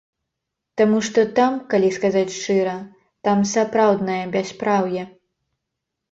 Таму што там, калі сказаць шчыра, там сапраўднае бяспраўе.